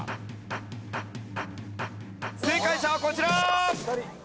正解者はこちら。